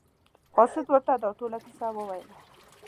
قاصد ورته دا ټوله کیسه وویله.